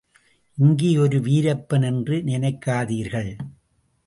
இங்கே ஒரு வீரப்பன் என்று நினைக்காதீர்கள்!